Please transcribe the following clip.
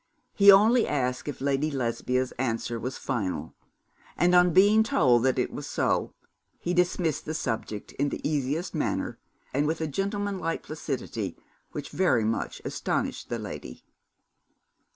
He only asked if Lady Lesbia's answer was final and on being told that it was so, he dismissed the subject in the easiest manner, and with a gentlemanlike placidity which very much astonished the lady.